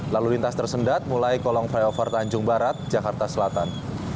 lalu lintas tersendat mulai kolong flyover tanjung barat jakarta selatan